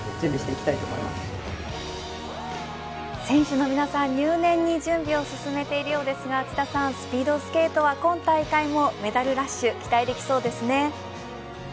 選手の皆さん、入念に準備を進めているようですがスピードスケートは今大会もメダルラッシュそうですね。